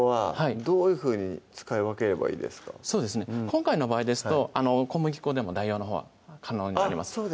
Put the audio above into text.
今回の場合ですと小麦粉でも代用のほうは可能になります